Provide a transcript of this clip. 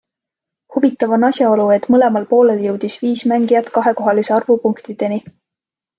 Huvitav on asjaolu, et mõlemal poolel jõudis viis mängijat kahekohalise arvu punktideni.